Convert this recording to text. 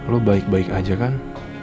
lo baik baik aja kan